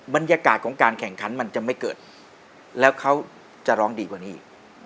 บรรยากาศของการแข่งขันมันจะไม่เกิดแล้วเขาจะร้องดีกว่านี้อีก